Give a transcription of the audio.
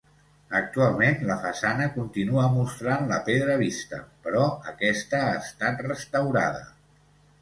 Actualment, la façana continua mostrant la pedra vista, però aquesta ha estat restaurada.